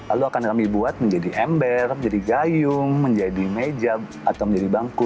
lalu akan kami buat menjadi ember menjadi gayung menjadi meja atau menjadi bangku